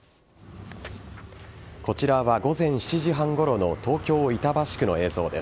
こちらは午前７時半ごろの東京・板橋区の映像です。